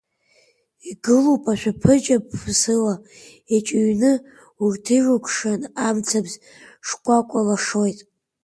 Игылоуп ашәаԥыџьаԥсыла иҷыҩны, урҭирыкәшан амцабз шкәакәа лашоит.